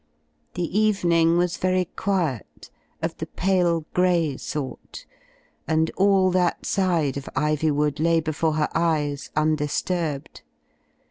The evening was very quiet, of the pale grey sort, and all that side of Iv3rwood lay before her eyes, undisturbed.